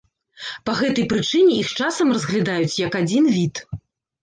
Па гэтай прычыне іх часам разглядаюць як адзін від.